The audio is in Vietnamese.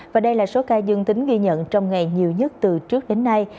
và đây là số ca dương tính ghi nhận trong ngày nhiều nhất từ trước đến nay